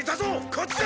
こっちだ。